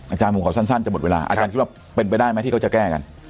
อาจารย์ผมขอสั้นจะหมดเวลาอาจารย์คิดว่าเป็นไปได้ไหมที่เขาจะแก้กัน